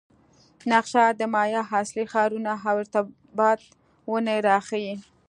نقشه د مایا اصلي ښارونه او ارتباط ونې راښيي